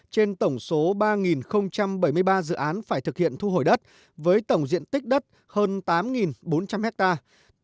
trên tổng số ba bảy mươi ba dự án phải thực hiện thu hồi đất với tổng diện tích đất hơn tám bốn trăm linh hectare